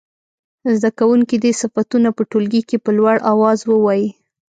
زده کوونکي دې صفتونه په ټولګي کې په لوړ اواز ووايي.